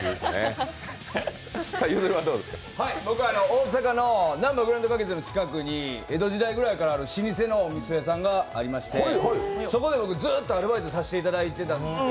大阪のなんばグランド花月の近くに江戸時代くらいからある老舗のお店がありまして、そこで、ずっとアルバイトさせてもらってたんですよ。